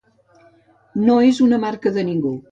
No és una marca de ningú.